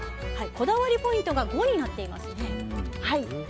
こだわりポイントが５になっていますね。